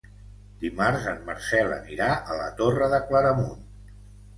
Dimarts en Marcel anirà a la Torre de Claramunt.